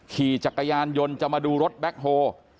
ขี่จักรยานยนต์จะมาดูรถแบ็คโฮ